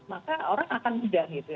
maka orang akan mudah gitu ya